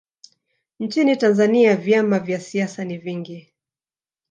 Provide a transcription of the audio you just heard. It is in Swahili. nchini tanzania vyama vya siasa ni vingi